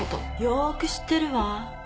よく知ってるわ。